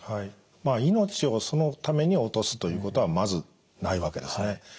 まあ命をそのために落とすということはまずないわけですね。